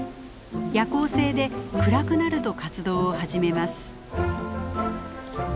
夜行性で暗くなると活動を始めます。